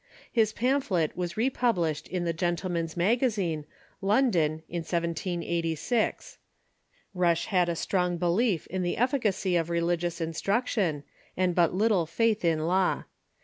His pam phlet was republished in the Gentlemcui's Magazine, London, in 1786.* Rush had a strong belief in the efficacy of relig ious instruction, and but little faith in law.